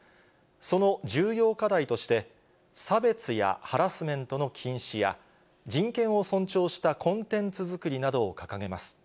その重要課題として、差別やハラスメントの禁止や、人権を尊重したコンテンツ作りなどを掲げます。